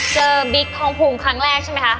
เจอบิ๊กทองภูมิครั้งแรกใช่มั้ยคะ